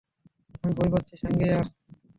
আমি ভয় পাচ্ছি, সাঙ্গেয়া।